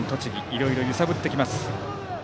いろいろ揺さぶってきます。